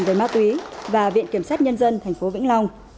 về ma túy và viện kiểm sát nhân dân thành phố vĩnh long